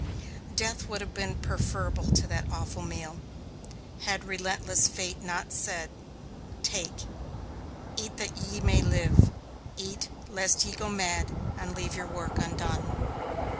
Death would have been preferable to that awful meal, had relentless fate not said: "Take, eat that ye may live. Eat, lest ye go mad and leave your work undone!"